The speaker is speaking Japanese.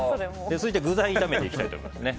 続いて、具材を炒めていきたいと思います。